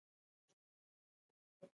شین چای د خوږ ژوند راز دی.